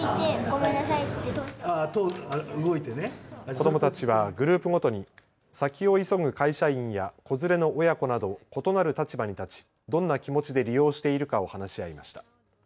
子どもたちはグループごとに先を急ぐ会社員や子連れの親子など異なる立場に立ちどんな気持ちで利用しているかを話し合いました。